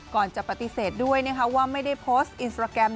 ก่อนจะปฏิเสธด้วยนะคะว่าไม่ได้โพสต์อินสตราแกรม